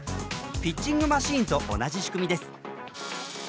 ピッチングマシーンと同じ仕組みです。